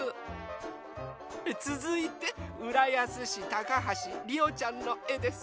つづいてうらやすしたかはしりおちゃんのえです。